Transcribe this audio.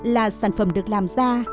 là sản phẩm được làm ra